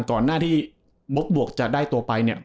ก่อนหน้าที่มกบวกจะได้ตัวไปเนี่ย